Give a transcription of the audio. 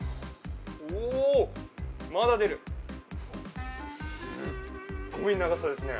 おお、まだ出るすっごい長さですね